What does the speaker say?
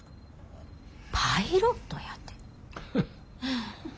パイロットやて。